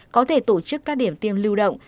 có thể tổ chức các điểm tiêm lưu động